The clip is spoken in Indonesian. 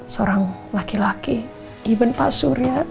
seorang laki laki even pak surya